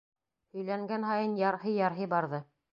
Һөйләнгән һайын ярһый-ярһый барҙы.